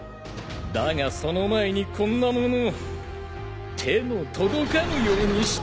だがその前にこんなもの手の届かぬようにしてやる。